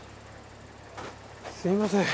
すみません。